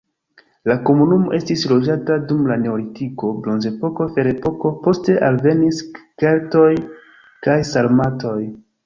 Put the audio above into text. La komunumo estis loĝata dum la neolitiko, bronzepoko, ferepoko, poste alvenis keltoj kaj sarmatoj.